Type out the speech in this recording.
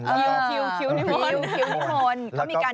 คิวนิมนต์